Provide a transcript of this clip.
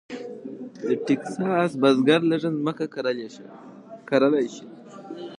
د ټیکساس بزګر لږه ځمکه کرلی شي.